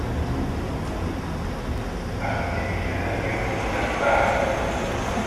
Axeddim yelhan yeḍmen rrbeḥ.